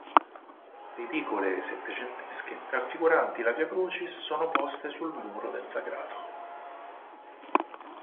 Le edicole settecentesche raffiguranti la Via Crucis sono poste sul muro del sagrato.